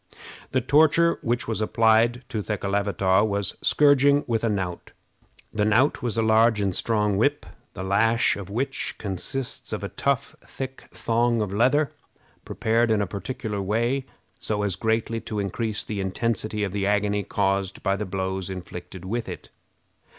The torture which was applied to Thekelavitaw was scourging with a knout. The knout was a large and strong whip, the lash of which consists of a tough, thick thong of leather, prepared in a particular way, so as greatly to increase the intensity of the agony caused by the blows inflicted with it.